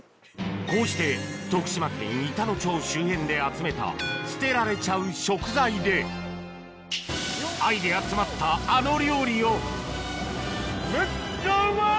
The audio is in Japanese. こうして徳島県板野町周辺で集めた捨てられちゃう食材でアイデア詰まったあの料理をめっちゃうまい！